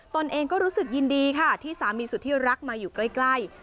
ตนเองก็รู้สึกยินดีค่ะที่สามีสุดที่รักมาอยู่ใกล้